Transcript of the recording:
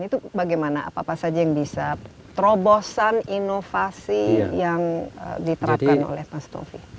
itu bagaimana apa apa saja yang bisa terobosan inovasi yang diterapkan oleh mas tovi